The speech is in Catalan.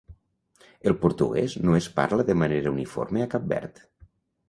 El portuguès no es parla de manera uniforme a Cap Verd.